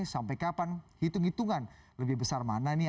sampai kapan hitung hitungan lebih besar mana ini